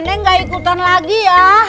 neng gak ikutan lagi ya